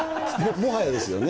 もはやですよね。